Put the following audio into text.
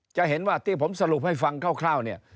จะเห็นว่าที่ผมสรุปให้ฟังคร่าวเนี่ย